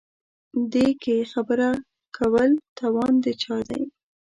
دې کې خبره کول توان د چا دی.